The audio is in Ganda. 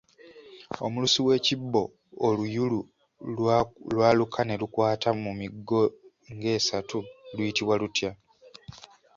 Omulusi w'ekibbo oluyulu lwaluka ne lukwata mu migo ng’esatu luyitibwa lutya?